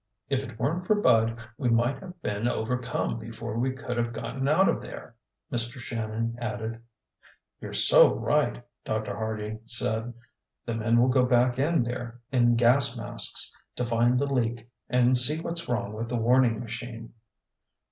"If it weren't for Bud we might have been overcome before we could have gotten out of there!" Mr. Shannon added. "You're so right!" Dr. Harding said. "The men will go back in there in gas masks to find the leak and see what's wrong with the warning machine."